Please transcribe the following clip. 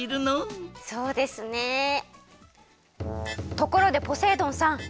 ところでポセイ丼さん。